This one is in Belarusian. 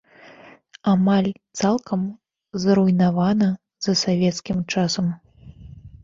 Амаль цалкам зруйнавана за савецкім часам.